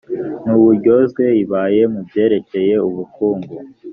n uburyozwe ibaye mu byerekeye ubukungu